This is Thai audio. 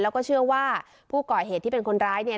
แล้วก็เชื่อว่าผู้ก่อเหตุที่เป็นคนร้ายเนี่ย